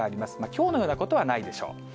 きょうのようなことはないでしょう。